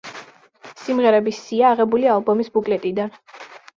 სიმღერების სია აღებულია ალბომის ბუკლეტიდან.